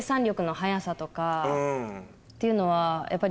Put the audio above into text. っていうのはやっぱり。